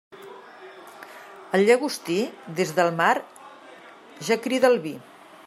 El llagostí, des del mar ja crida el vi.